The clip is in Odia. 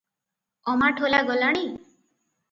ଅମାଠୋଲା ଗଲାଣି?